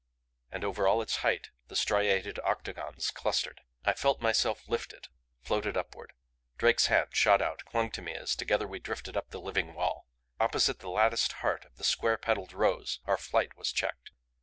And over all its height the striated octagons clustered. I felt myself lifted, floated upward. Drake's hand shot out, clung to me as together we drifted up the living wall. Opposite the latticed heart of the square petaled rose our flight was checked.